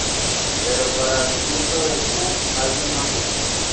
Pero para disgusto del Coon, alguien más viene.